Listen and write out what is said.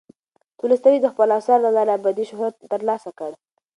تولستوی د خپلو اثارو له لارې ابدي شهرت ترلاسه کړ.